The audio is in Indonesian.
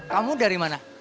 kamu dari mana